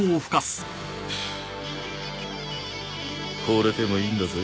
ほれてもいいんだぜ。